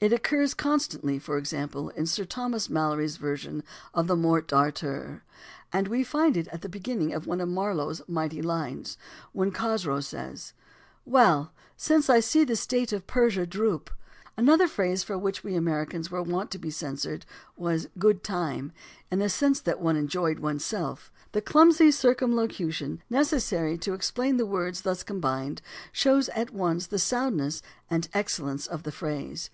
It occurs con stantly, for example, in Sir Thomas Mallory's version of the Morte d' Arthur, and we find it at the beginning of one of Marlowe's "mighty lines" when Cosroe says: " Well, since I see the state of Persia droop." — Tamburlaine, Sc. I. Another phrase for which we Americans were wont to be censured was "good time," in the sense that one had enjoyed one's self. The clumsy circumlocution necessary to explain the words thus combined shows at once the soundness and excellence of the phrase.